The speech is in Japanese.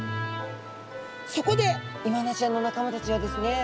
そこでイワナちゃんの仲間たちはですね